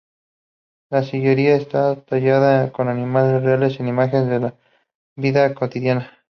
La sillería está tallada con animales reales e imágenes de la vida cotidiana.